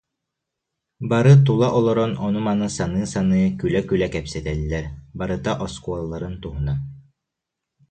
Бары тула олорон, ону-маны саныы-саныы, күлэ-күлэ кэпсэтэллэр, барыта оскуолаларын туһунан